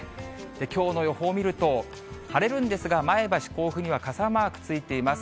きょうの予報を見ると、晴れるんですが、前橋、甲府には傘マークついています。